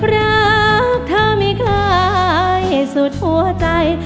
รักเธอไม่คล้ายสุดหัวใจ